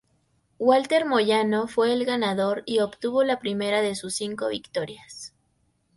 Walter Moyano fue el ganador y obtuvo la primera de sus cinco victorias.